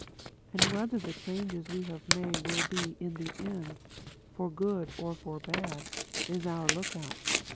And whether the changes we have made will be, in the end, for good or for bad, is our lookout."